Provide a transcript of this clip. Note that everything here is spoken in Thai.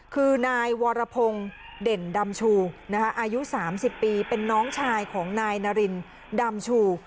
คือนายวรพงศ์เด่นดำชูอายุ๓๐ปีเป็นน้องชายของนายนารินดำชู